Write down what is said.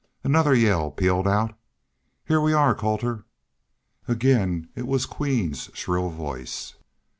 Another yell pealed out. "Here we are, Colter!". Again it was Queen's shrill voice.